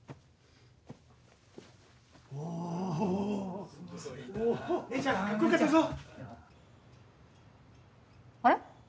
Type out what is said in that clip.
・おぉ・・姉ちゃんカッコよかったぞ・あれ？